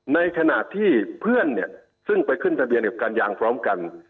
ในขณะที่เพื่อนเนี่ยซึ่งไปขึ้นทะเบียนกับการยางพร้อมกัน